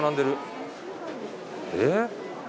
えっ？